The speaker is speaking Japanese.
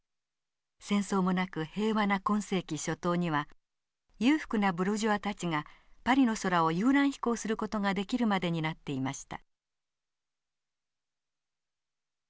戦争もなく平和な今世紀初頭には裕福なブルジョワたちがパリの空を遊覧飛行する事ができるまでになっていました。